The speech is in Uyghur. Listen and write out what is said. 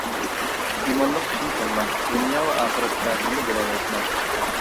ئىمانلىق كىشىنى تاللاڭ، دۇنيا ۋە ئاخىرەتتە بىللە بولالايسىلەر.